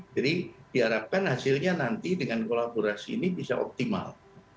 jadi diharapkan hasilnya nanti dengan kolaborasi ini bisa optimal